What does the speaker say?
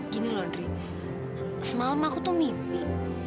gini loh dry semalam aku tuh mimpi